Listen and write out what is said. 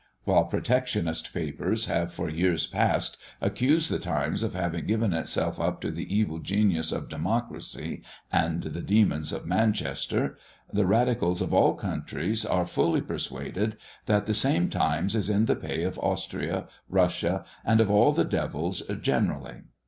While Protectionist papers have, for years past, accused the Times of having given itself up to the evil genius of democracy and the demons of Manchester: the Radicals of all countries, are fully persuaded that the same Times is in the pay of Austria, Russia, and of all the devils generally.